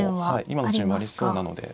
今の順もありそうなので。